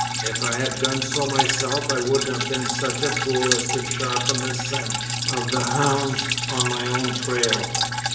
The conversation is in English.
If I had done so myself I wouldn't have been such a fool as to sharpen the scent of the hounds on my own trail."